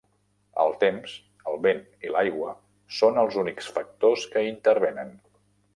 El temps, el vent i l'aigua són els únics factors que hi intervenen.